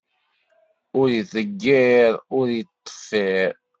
Ur ideyyir, ur iṭṭeffiṛ.